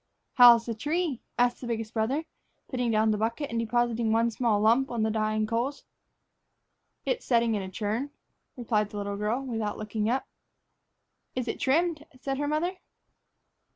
"How's the tree?" asked the biggest brother, putting down the bucket and depositing one small lump on the dying coals. "It's setting in a churn," replied the little girl, without looking up. "Is it trimmed?" said her mother.